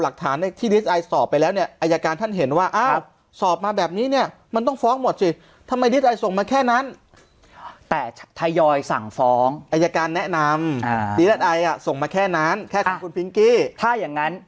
การแนะนำอ่าตีลัดไออ่ะส่งมาแค่นั้นแค่คุณพิงกี้ถ้าอย่างงั้น